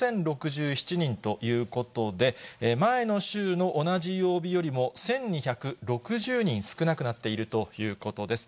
４０６７人ということで、前の週の同じ曜日よりも１２６０人少なくなっているということです。